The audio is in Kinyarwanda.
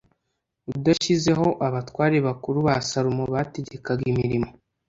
udashyizeho abatware bakuru ba Salomo bategekaga imirimo